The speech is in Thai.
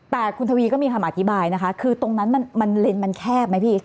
แต่คุณทวีก็มีคำอธิบายนะคะคือตรงนั้นมันเลนส์มันแคบไหมพี่